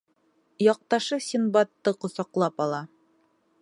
Яҡташы Синдбадты ҡосаҡлап ала.